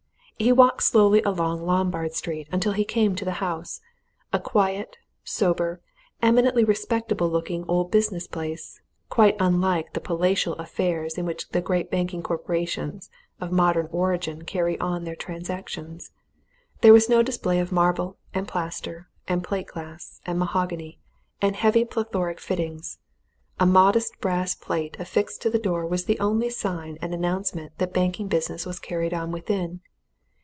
He walked slowly along Lombard Street until he came to the house a quiet, sober, eminently respectable looking old business place, quite unlike the palatial affairs in which the great banking corporations of modern origin carry on their transactions. There was no display of marble and plaster and plate glass and mahogany and heavy plethoric fittings a modest brass plate affixed to the door was the only sign and announcement that banking business was carried on within.